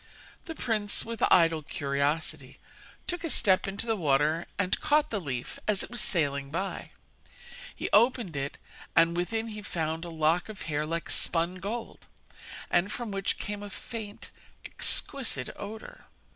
The prince, with idle curiosity, took a step into the water and caught the leaf as it was sailing by. He opened it, and within he found a lock of hair like spun gold, and from which came a faint, exquisite odour.